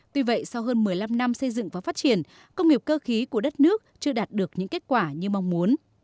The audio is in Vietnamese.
tuy vậy sau hơn một mươi năm năm xây dựng và phát triển công nghiệp cơ khí của đất nước chưa đạt được những kết quả như mong muốn